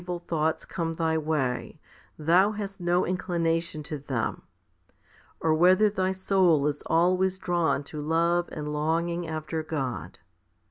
HOMILY XV 113 thoughts come thy way, thou hast no inclination to them, or whether thy soul is always drawn to love and long ing after God.